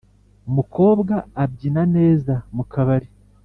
mukobwa abyina neza mukabari.